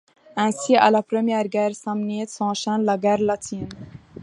Ainsi, à la Première Guerre samnite s'enchaîne la guerre latine.